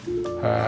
ああ。